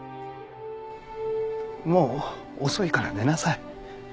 もう遅いから寝なさい。